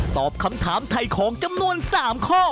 ตอบคำถามไถ่ของจำนวน๓ข้อ